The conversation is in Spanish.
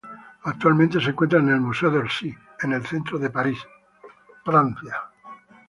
Actualmente se encuentra en el Museo de Orsay, en el centro de París, Francia.